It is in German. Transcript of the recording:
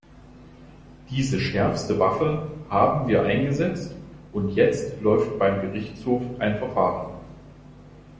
Diese schärfste Waffe haben wir eingesetzt, und jetzt läuft beim Gerichtshof ein Verfahren.